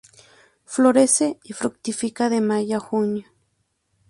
Florece y fructifica de mayo a junio.